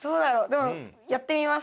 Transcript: でもやってみます。